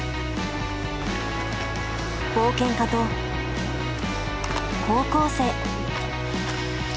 冒険家と高校生。